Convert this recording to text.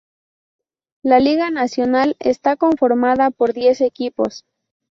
La liga Nacional está conformada por diez equipos.